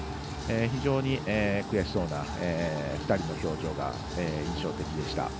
非常に、悔しそうな２人の表情が印象的でした。